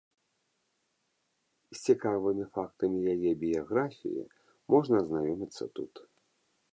З цікавымі фактамі яе біяграфіі можна азнаёміцца тут.